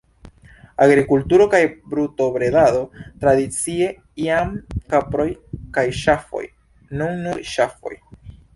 Agrikulturo kaj brutobredado tradicie, iam kaproj kaj ŝafoj, nun nur ŝafoj.